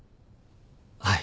はい。